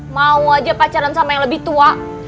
mau aja pacaran sama yang lebih tua